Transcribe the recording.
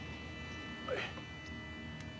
はい。